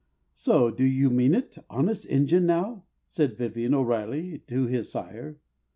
"Say, do you mean it, honest Injun, now?" Said Vivian O'Riley to his sire.